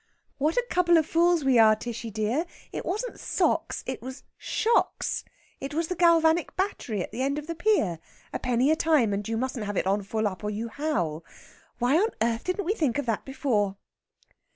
"What a couple of fools we are, Tishy dear! It wasn't socks it was shocks. It was the galvanic battery at the end of the pier. A penny a time, and you mustn't have it on full up, or you howl. Why on earth didn't we think of that before?"